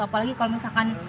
apalagi kalau misalkan